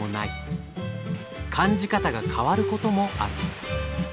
感じ方が変わることもある。